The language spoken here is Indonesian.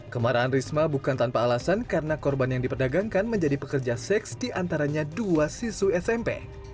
kemaraan risma bukan tanpa alasan karena korban yang diperdagangkan menjadi pekerja seks di antaranya dua siswa smp